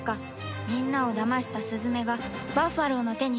みんなをだましたスズメがバッファローの手によって脱落